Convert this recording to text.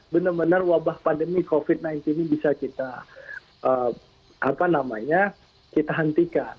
benar benar wabah pandemi covid sembilan belas ini bisa kita apa namanya kita hentikan